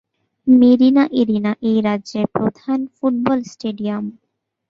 Marina Arena এই রাজ্যের প্রধান ফুটবল স্টেডিয়াম।